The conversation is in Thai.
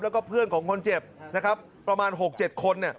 แล้วก็เพื่อนของคนเจ็บนะครับประมาณ๖๗คน